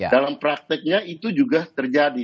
dalam prakteknya itu juga terjadi